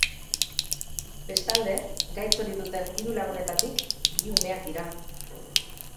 Bestalde, gaitz hori duten hiru lagunetatik bi umeak dira.